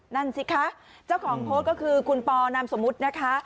นั่นสิคะเจ้าของโพสต์ก็คือคุณปอนามสมมุตินะคะ